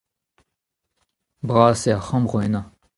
Bras eo ar c'hambroù ennañ.